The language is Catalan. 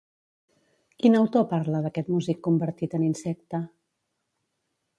Quin autor parla d'aquest músic convertit en insecte?